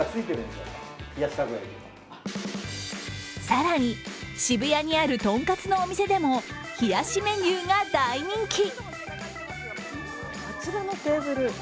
更に、渋谷にあるとんかつのお店でも冷やしメニューが大人気。